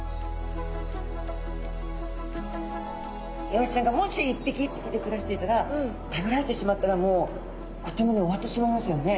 イワシちゃんがもし一匹一匹で暮らしていたら食べられてしまったらもうあっという間に終わってしまいますよね。